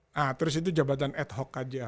nah terus itu jabatan ad hoc aja